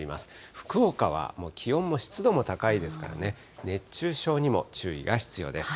福岡は気温も湿度も高いですからね、熱中症にも注意が必要です。